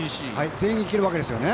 全員行けるわけですよね。